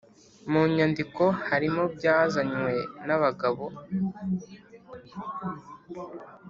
mu nyandiko harimo byazanywe n abagabo